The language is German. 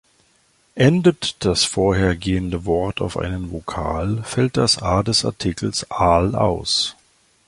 Endet das vorhergehende Wort auf einen Vokal, fällt das „a“ des Artikels "al-" aus.